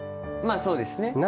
まあそうですね。